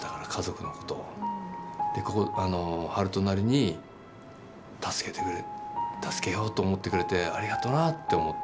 悠人なりに助けようと思ってくれてありがとなって思った。